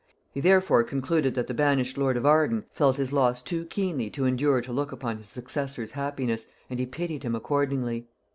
He therefore concluded that the banished lord of Arden felt his loss too keenly to endure to look upon his successor's happiness, and he pitied him accordingly.